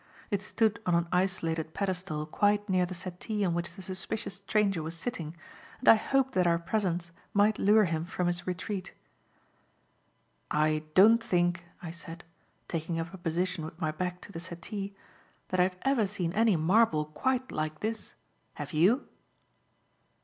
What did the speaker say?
It stood on an isolated pedestal quite near the settee on which the suspicious stranger was sitting, and I hoped that our presence might lure him from his retreat. "I don't think," I said, taking up a position with my back to the settee, "that I have ever seen any marble quite like this. Have you?"